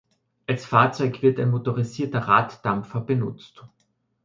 Als Fahrzeug wird ein motorisierter Raddampfer benutzt.